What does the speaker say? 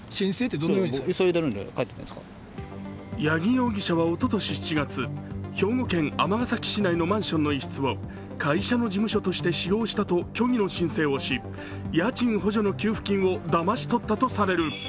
矢木容疑者はおととし７月、兵庫県尼崎市のマンションの一室を会社の事務所として使用したと虚偽の申請をし家賃補助の給付金をだまし取ったとされる。